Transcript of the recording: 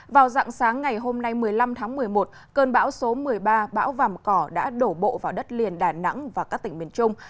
vào dạng sáng ngày hôm nay một mươi năm tháng một mươi một cơn bão số một mươi ba bão vàm cỏ đã đổ bộ vào đất liền đà nẵng và các tỉnh miền trung